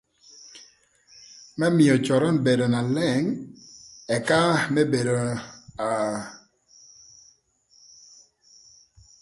Më mïö coron bedo na leng ëka më bedo aa